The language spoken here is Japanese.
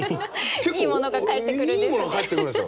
結構いいものが返ってくるんですよ。